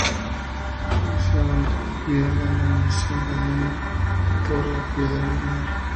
Recibió una nominación al Emmy por "La piedra lunar".